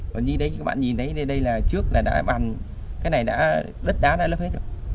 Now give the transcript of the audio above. còn như đấy các bạn nhìn thấy đây là trước là đã bàn cái này đã đất đá đã lấp hết rồi